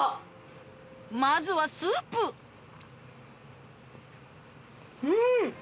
まずはスープうん！